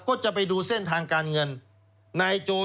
ก็จะไปดูเส้นทางการเงิน